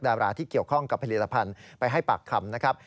ดาราที่เกี่ยวข้องกับผลิตภัณฑ์ไปให้ปากคำนะครับ